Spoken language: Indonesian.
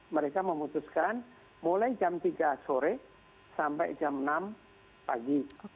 mereka memutuskan mulai jam tiga sore sampai jam enam pagi